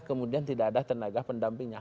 kemudian tidak ada tenaga pendampingnya